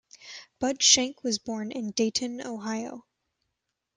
Bud Shank was born in Dayton, Ohio.